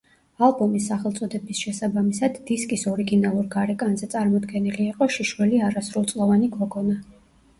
ალბომის სახელწოდების შესაბამისად დისკის ორიგინალურ გარეკანზე წარმოდგენილი იყო შიშველი არასრულწლოვანი გოგონა.